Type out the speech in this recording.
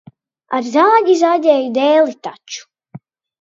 Ar zāģi zāģēju dēli taču.